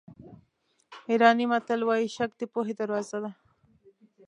ایراني متل وایي شک د پوهې دروازه ده.